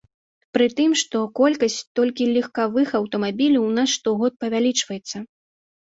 Пры тым, што колькасць толькі легкавых аўтамабіляў у нас штогод павялічваецца.